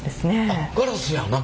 あっガラスや中。